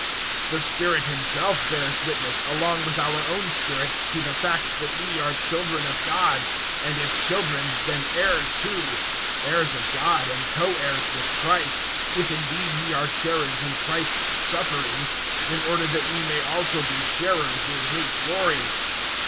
008:016 The Spirit Himself bears witness, along with our own spirits, to the fact that we are children of God; 008:017 and if children, then heirs too heirs of God and co heirs with Christ; if indeed we are sharers in Christ's sufferings, in order that we may also be sharers in His glory.